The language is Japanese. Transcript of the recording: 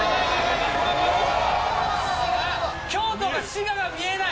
京都が滋賀が見えない！